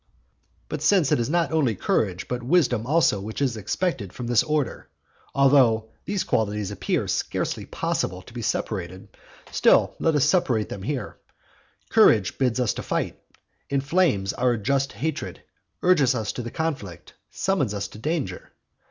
But since it is not only courage but wisdom also which is expected from this order, (although these qualities appear scarcely possible to be separated, still let us separate them here,) courage bids us fight, inflames our just hatred, urges us to the conflict, summons us to danger.